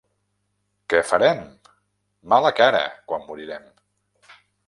Què farem? —Mala cara quan morirem.